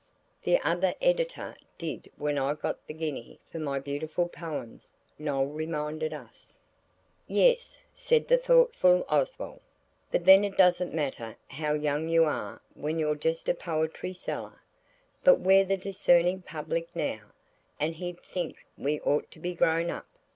'" "The other editor did when I got the guinea for my beautiful poems," Noël reminded us. "Yes," said the thoughtful Oswald; "but then it doesn't matter how young you are when you're just a poetry seller. But we're the discerning public now, and he'd think we ought to be grown up.